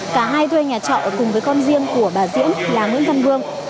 cả hai thuê nhà trọ cùng với con riêng của bà diễn là nguyễn văn vương